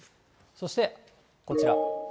そしてこちら。